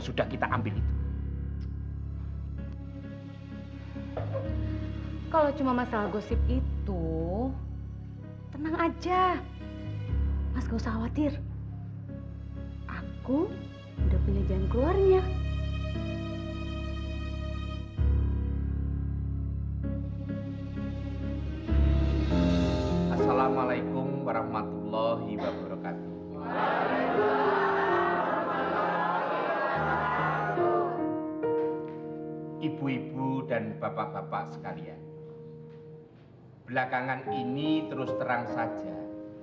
sampai jumpa di video selanjutnya